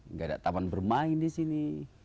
nggak ada taman bermain di sini